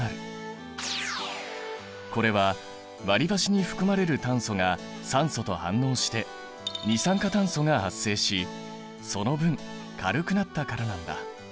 これは割りばしに含まれる炭素が酸素と反応して二酸化炭素が発生しその分軽くなったからなんだ。